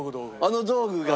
あの道具が？